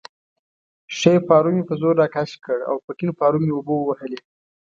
ښی پارو مې په زور راکش کړ او په کیڼ پارو مې اوبه ووهلې.